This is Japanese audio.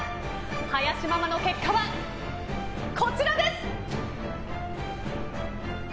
林ママの結果はこちらです！